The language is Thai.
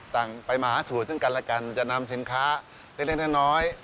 ต่างไปมาหาสูตรซึ่งกันและกันจะนำสินค้าเล็กน้อย